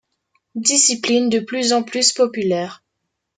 Discipline de plus en plus populaire.